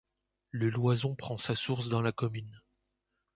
Le Loison prend sa source dans la commune.